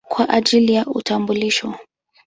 kwa ajili ya utambulisho.